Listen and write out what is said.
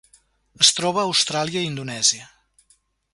Es troba a Austràlia i Indonèsia.